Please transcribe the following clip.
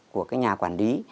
của cái nhà quản lý